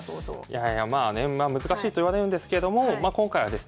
いやいやまあね難しいといわれるんですけれどもまあ今回はですね